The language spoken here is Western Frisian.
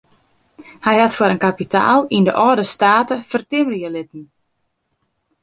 Hy hat foar in kapitaal yn de âlde state fertimmerje litten.